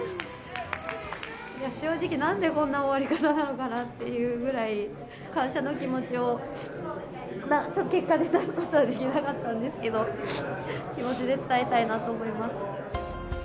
正直、なんでこんな終わり方なのかなっていうぐらい、感謝の気持ちを、結果で出すことはできなかったんですけど、気持ちで伝えたいなと思います。